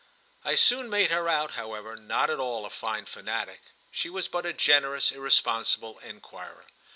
I soon made her out, however, not at all a fine fanatic—she was but a generous, irresponsible enquirer.